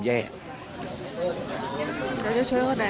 ไปช่วยเข้าได้มั้ยคะ